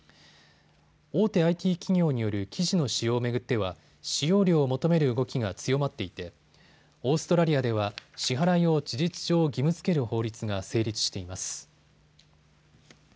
大手ＩＴ企業による記事の使用を巡っては使用料を求める動きが強まっていてオーストラリアでは支払いを事実上、義務づける法律が成立しています。